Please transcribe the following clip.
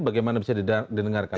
bagaimana bisa didengarkan